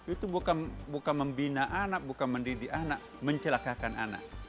itu bukan membina anak bukan mendidik anak mencelakakan anak